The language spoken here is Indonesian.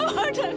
nggak mau dengar